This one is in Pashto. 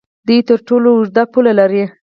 دوی تر ټولو اوږده پوله لري.